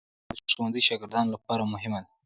الماري د ښوونځي شاګردانو لپاره مهمه ده